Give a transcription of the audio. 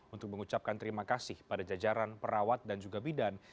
untuk mengucapkan terima kasih pada jajaran perawat dan juga bidan